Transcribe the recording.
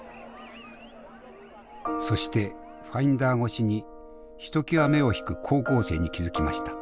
そしてファインダー越しにひときわ目を引く高校生に気付きました。